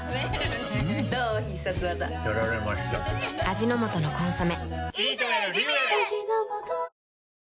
味の素の「コンソメ」